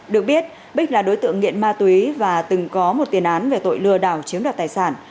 được biết bích là đối tượng nghiện ma túy và từng có một tiền án về tội lừa đảo chiếm đoạt tài sản